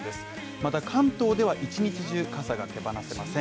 また関東では一日中傘が手放せません